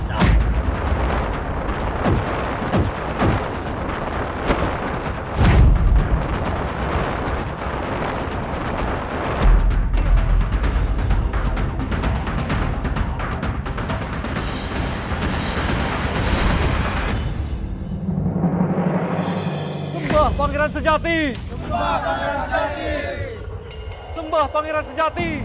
jangan lupa menjacohkan k bry deck jadi